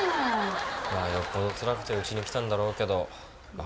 まあよっぽどつらくてうちに来たんだろうけどまあ